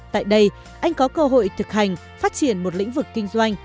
tại đây anh có cơ hội thực hành phát triển một lĩnh vực kinh doanh